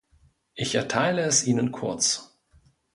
Ich erteile es Ihnen kurz.